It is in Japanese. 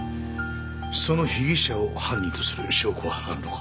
その被疑者を犯人とする証拠はあるのか？